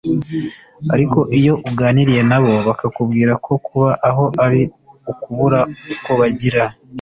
ariko iyo uganiriye nabo bakakubwira ko kuba aho ari ukubura uko bagira